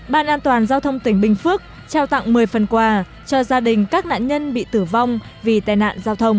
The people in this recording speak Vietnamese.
ban an toàn giao thông tỉnh bình phước trao tặng một mươi phần quà cho gia đình các nạn nhân bị tử vong vì tai nạn giao thông